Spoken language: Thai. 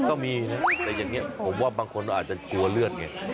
ก็มีนะแต่อย่างนี้ผมว่าบางคนอาจจะกลัวเลือดไง